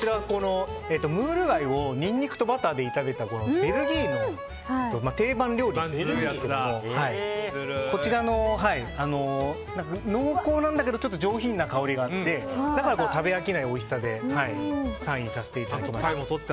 ムール貝をニンニクとバターで炒めたベルギーの定番料理なんですけど濃厚なんだけどちょっと上品な香りがあってだから食べ飽きないおいしさで３位にしました。